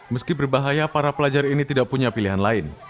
meski berbahaya para pelajar ini tidak punya pilihan lain